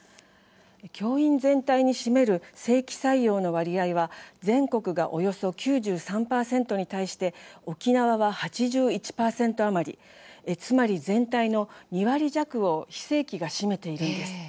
教員全体に占める正規採用の割合は全国がおよそ９３％に対して沖縄は８１％余りつまり全体の２割弱を非正規が占めているんです。